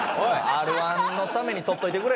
Ｒ−１のためにとっといてくれ。